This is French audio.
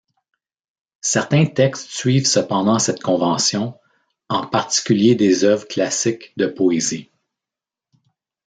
Certains textes suivent cependant cette convention, en particulier des œuvres classiques de poésie.